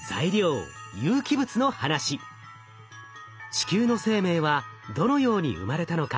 地球の生命はどのように生まれたのか？